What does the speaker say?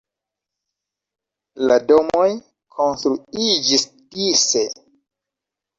La domoj konstruiĝis dise.